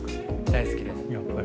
大好きです。